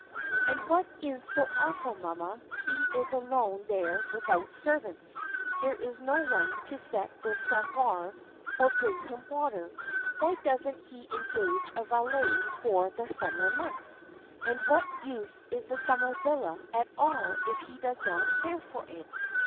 "And what is so awful, mamma, he is alone there without servants; there is no one to set the samovar or bring him water. Why didn't he engage a valet for the summer months? And what use is the summer villa at all if he does not care for it?